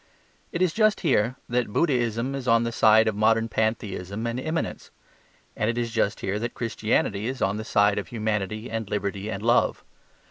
It is just here that Buddhism is on the side of modern pantheism and immanence. And it is just here that Christianity is on the side of humanity and liberty and love.